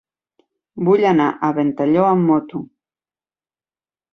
Vull anar a Ventalló amb moto.